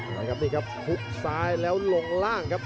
นี่ครับนี่ครับหุบซ้ายแล้วลงล่างครับ